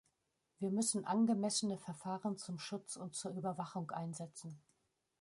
Wir müssen angemessene Verfahren zum Schutz und zur Überwachung einsetzen.